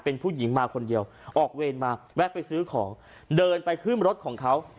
เป็นผู้หญิงมาคนเดียวออกเวรมาแวะไปซื้อของเดินไปขึ้นรถของเขา